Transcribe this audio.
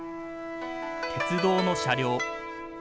鉄道の車両。